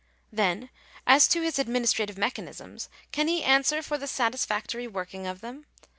Then as to his administrative mechanisms — can he answer for the satisfactory working of them